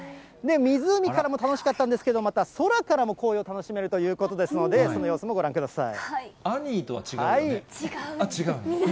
湖からの楽しかったんですけれども、また空からも紅葉楽しめるということでアニーとは違うんだね。